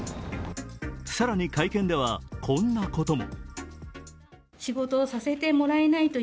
更に、会見ではこんなことも。